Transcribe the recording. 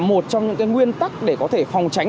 một trong những nguyên tắc để có thể phòng tránh